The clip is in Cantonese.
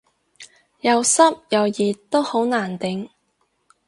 又濕又熱都好難頂